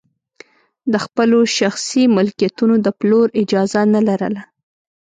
د خپلو شخصي ملکیتونو د پلور اجازه نه لرله.